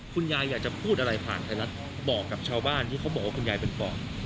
คุณยายอยากจะพูดอะไรผ่านไทยรัฐบอกกับชาวบ้านที่เขาบอกว่าคุณยายเป็นปอบ